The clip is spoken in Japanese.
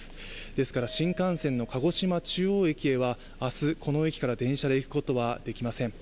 ですから新幹線の鹿児島中央駅へは明日この駅から電車で行くことはできません。